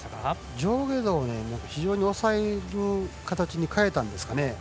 上下動を抑える形に変えたんですかね。